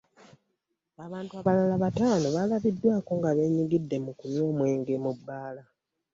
Abantu abalala bataano baalabiddwako nga beenyigidde mu kunywa omwenge mu bbaala.